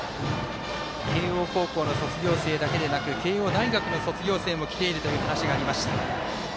慶応高校の卒業生だけでなく慶応大学の卒業生も来ているという話がありました。